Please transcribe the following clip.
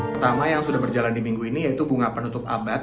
pertama yang sudah berjalan di minggu ini yaitu bunga penutup abad